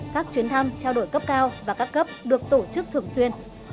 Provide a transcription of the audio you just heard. các chuyến thăm trao đổi cấp cao và các cấp được tổ chức thường xuyên